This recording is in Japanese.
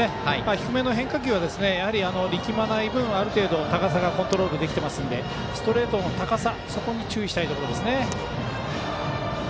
低めの変化球は力まない分ある程度、高さがコントロールできていますのでストレートの高さに注意したいところです。